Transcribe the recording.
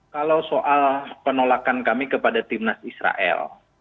kalau soal penolakan kami kepada timnas israel